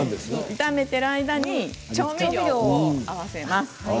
炒めてる間に調味料を合わせます。